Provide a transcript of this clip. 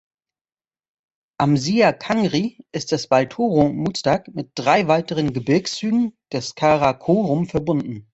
Am Sia Kangri ist das Baltoro Muztagh mit drei weiteren Gebirgszügen des Karakorum verbunden.